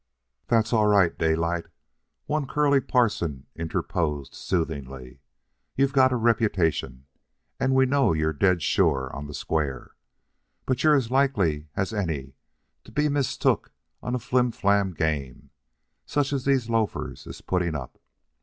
"That's all right, Daylight," one Curly Parson interposed soothingly. "You've got a reputation, and we know you're dead sure on the square. But you're as likely as any to be mistook on a flimflam game, such as these loafers is putting up.